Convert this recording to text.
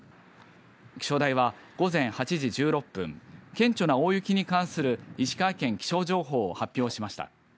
気象台は、午前８時１６分顕著な大雪に関する石川県気象情報を発表しました。